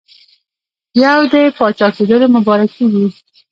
یو د پاچاکېدلو مبارکي وي.